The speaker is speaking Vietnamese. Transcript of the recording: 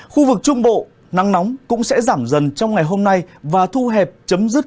khu vực trung bộ nắng nóng cũng sẽ giảm dần trong ngày hôm nay và thu hẹp chấm dứt